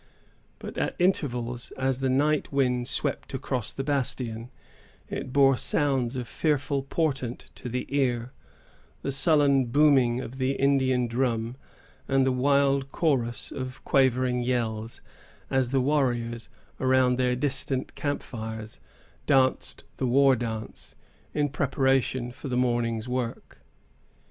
But, at intervals, as the night wind swept across the bastion, it bore sounds of fearful portent to the ear, the sullen booming of the Indian drum and the wild chorus of quavering yells, as the warriors, around their distant camp fires, danced the war dance, in preparation for the morrow's work.